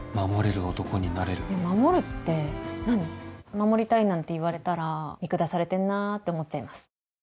「守りたい」なんて言われたら見下されてるなぁって思っちゃいます。